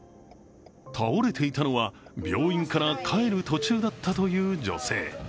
倒れていたのは病院から帰る途中だったという女性。